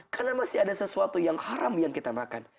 karena masih ada sesuatu yang haram yang kita makan